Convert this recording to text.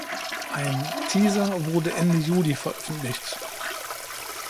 Ein Teaser wurde Ende Juli veröffentlicht.